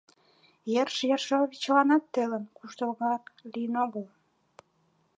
Ерш Ершовичланат телым куштылгак лийын огыл.